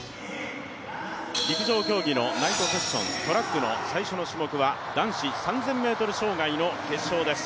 陸上競技のナイトセッション、トラックの最初の種目は男子３０００ｍ障害の決勝です。